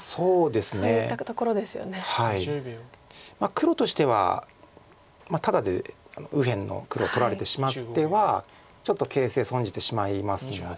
黒としてはタダで右辺の黒を取られてしまってはちょっと形勢損じてしまいますので。